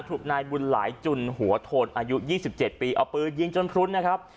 ถูกนายบุญหลายจุนหัวโทนอายุ๒๗ปีเอาปืนยิงจนครุ้นนะครับ